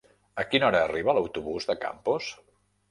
A quina hora arriba l'autobús de Campos?